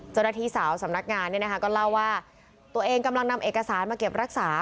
เจ้าหน้าที่สาวสำนักงานเนี่ยนะคะก็เล่าว่าตัวเองกำลังนำเอกสารมาเก็บรักษา